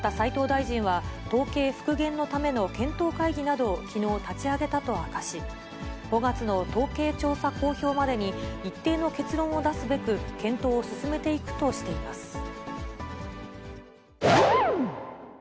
また、斉藤大臣は統計復元のための検討会議などを、きのう立ち上げたと明かし、５月の統計調査公表までに一定の結論を出すべく、検討を進めていくとしています。